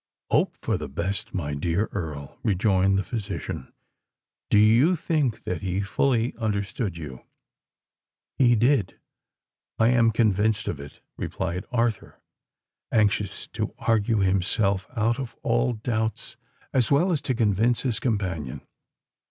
"Hope for the best, my dear Earl," rejoined the physician. "Do you think that he fully understood you——" "He did—I am convinced of it!" replied Arthur, anxious to argue himself out of all doubts as well as to convince his companion.